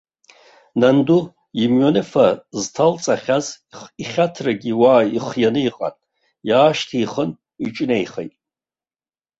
Нанду имҩаныфа зҭалҵахьаз ихьаҭрагьы уа ихианы иҟан, иаашьҭихын, иҿынеихеит.